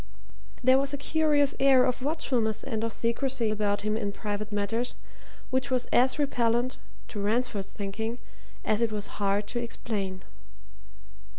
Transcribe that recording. There was a curious air of watchfulness and of secrecy about him in private matters which was as repellent to Ransford's thinking as it was hard to explain.